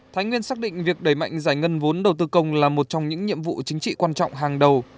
thái nguyên xác định việc đẩy mạnh giải ngân vốn đầu tư công là một trong những nhiệm vụ chính trị quan trọng hàng đầu